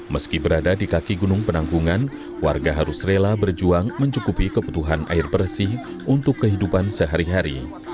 meski berada di kaki gunung penanggungan warga harus rela berjuang mencukupi kebutuhan air bersih untuk kehidupan sehari hari